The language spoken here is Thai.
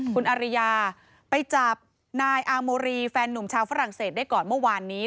คุณอาริยาไปจับนายอาโมรีแฟนหนุ่มชาวฝรั่งเศสได้ก่อนเมื่อวานนี้